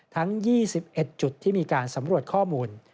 ทั้ง๒๑จุดที่มีการสำรวจข้อมูล